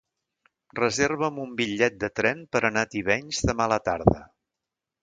Reserva'm un bitllet de tren per anar a Tivenys demà a la tarda.